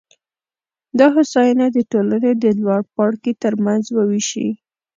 دا هوساینه د ټولنې د لوړپاړکي ترمنځ ووېشي.